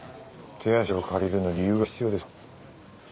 手足を借りるのに理由が必要ですか？